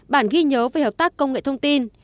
bản ghi nhớ về hợp tác công nghệ thông tin